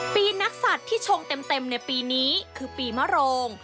ปีนักศัตริย์ที่ชงเต็มในปีนี้คือปีมะโรง